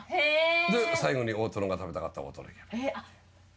で最後に大トロが食べたかったら大トロいけばいい。